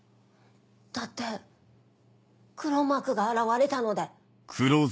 だって黒幕が現れたので。